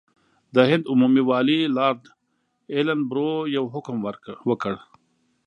د هند عمومي والي لارډ ایلن برو یو حکم وکړ.